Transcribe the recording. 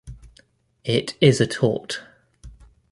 It is a tort.